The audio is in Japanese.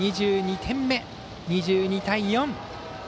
２２点目、２２対４。